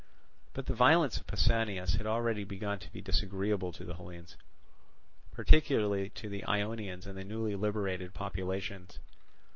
But the violence of Pausanias had already begun to be disagreeable to the Hellenes, particularly to the Ionians and the newly liberated populations.